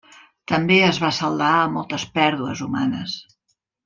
També es va saldar amb moltes pèrdues humanes.